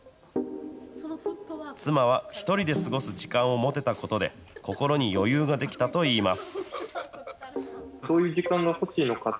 妻は１人で過ごす時間を持てたことで心に余裕が出来たといいます。